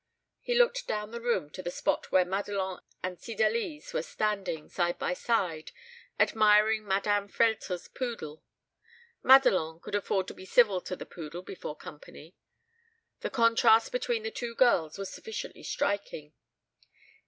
He looked down the room to the spot where Madelon and Cydalise were standing, side by side, admiring Madame Frehlter's poodle. Madelon could afford to be civil to the poodle before company. The contrast between the two girls was sufficiently striking.